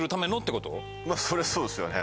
そりゃそうですよね。